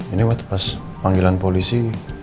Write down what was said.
ini waktu pas panggilan polisi